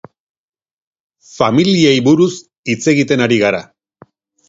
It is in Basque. Familiei buruz hitz egiten ari gara.